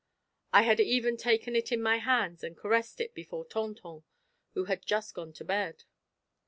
I had even taken it in my hands and caressed it before Tonton, who had just gone to bed.